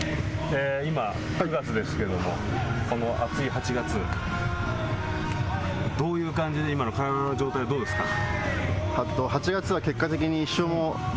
今、９月ですけれども、この暑い８月、どういう感じで、今の体の状態はどうですか。